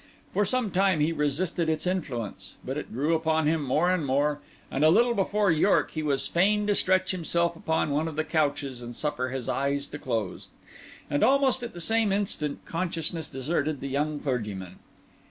For some time he resisted its influence; but it grew upon him more and more, and a little before York he was fain to stretch himself upon one of the couches and suffer his eyes to close; and almost at the same instant consciousness deserted the young clergyman.